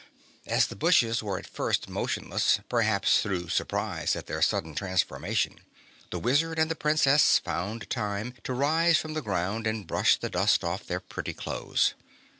As the bushes were at first motionless, perhaps through surprise at their sudden transformation, the Wizard and the Princess found time to rise from the ground and brush the dust off their pretty clothes.